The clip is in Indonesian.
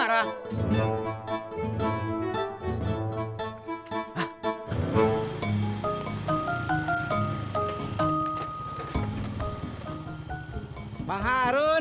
lu dong pernah kemaren